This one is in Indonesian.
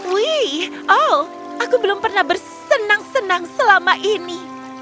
wih oh aku belum pernah bersenang senang selama ini